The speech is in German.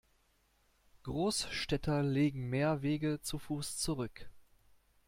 Großstädter legen mehr Wege zu Fuß zurück.